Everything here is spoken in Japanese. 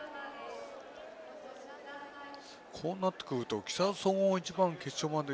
こうなってくると木更津総合が一番決勝まで。